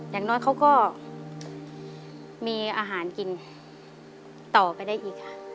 อย่างน้อยเขาก็มีอาหารกินต่อไปได้อีกค่ะ